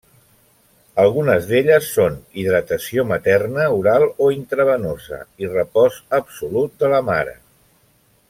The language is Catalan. Algunes d'elles són: hidratació materna oral o intravenosa i repòs absolut de la mare.